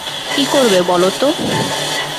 কী করবে বলো তো?